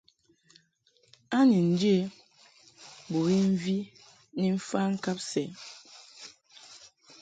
A ni njě bɨwi mvi ni mfa ŋkab sɛ.